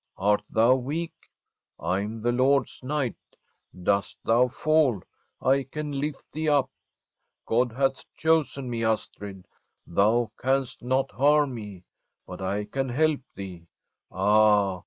Art thou weak ? I am the Lord's knight. Dost thou fall? I can lift thee up. God hath chosen me, Astrid. Thou canst not harm me, but I can help thee. Ah